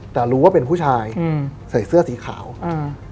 แต่รู้ว่าเป็นผู้ชายอืมใส่เสื้อสีขาวอืม